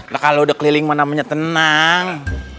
lekal lo udah keliling mana punya tenang